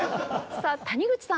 さあ谷口さん